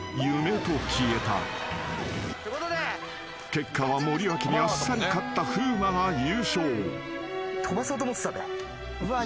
［結果は森脇にあっさり勝った風磨が優勝］